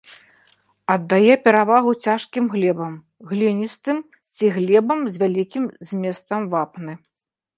Аддае перавагу цяжкім глебам, гліністым ці глебам з вялікім зместам вапны.